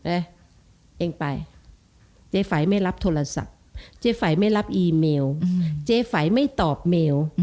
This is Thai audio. เอ๊ะเองไปเจฝ่ายไม่รับโทรศัพท์เจฝ่ายไม่รับอีเมลเจฝ่ายไม่ตอบเมล